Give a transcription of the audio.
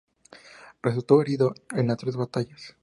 Resultó herido en las tres batallas.